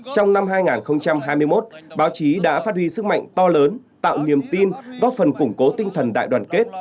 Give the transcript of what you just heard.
trong năm hai nghìn hai mươi một báo chí đã phát huy sức mạnh to lớn tạo niềm tin góp phần củng cố tinh thần đại đoàn kết